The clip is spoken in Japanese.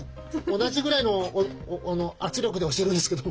同じぐらいの圧力で押してるんですけど。